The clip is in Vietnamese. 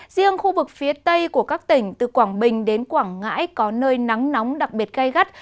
riêng khu vực phía tây của các tỉnh từ quảng bình đến quảng ngãi có nơi nắng nóng đặc biệt gây gắt